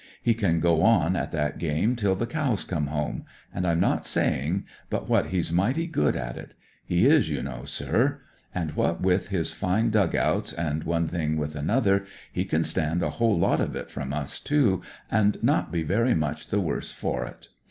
He can go on at that game till the cows come home, and I'm not saying but what he s mighty good at it. He is, you know, sir. And what with lis fine dug outs, an' one thing with another, he can stand a whole lot of it from us, too, an' not be very much the worse 'or it.